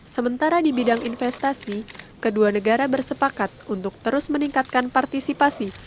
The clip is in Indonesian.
sementara di bidang investasi kedua negara bersepakat untuk terus meningkatkan partisipasi